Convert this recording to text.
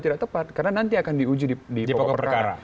tidak tepat karena nanti akan diuji di pokok perkara